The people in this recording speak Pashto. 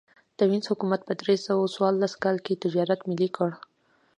د وینز حکومت په درې سوه څوارلس کال کې تجارت ملي کړ